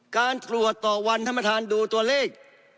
การตรวจต่อวันท่านประธานดูตัวเลข